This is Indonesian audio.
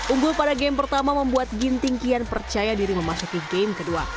unggul pada game pertama membuat ginting kian percaya diri memasuki game kedua